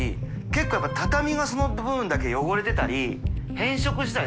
結構やっぱ畳がその部分だけ汚れてたり竸Г靴討燭